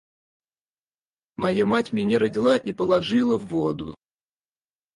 Моя мать меня родила и положила в воду.